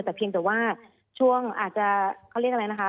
แต่เพียงแต่ว่าช่วงอาจจะเขาเรียกอะไรนะคะ